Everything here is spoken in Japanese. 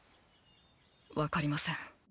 分かりません